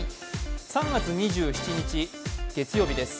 ３月２７日月曜日です。